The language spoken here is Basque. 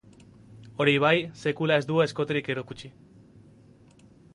Hori bai, sekula ez du eskoterik erakutsi.